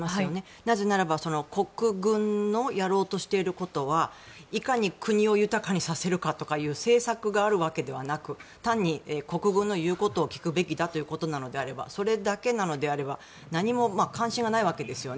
なぜならば国軍のやろうとしていることはいかに国を豊かにさせるかという政策があるわけではなく単に国軍の言うことを聞くべきだということであればそれだけなのであれば何も関心がないわけですよね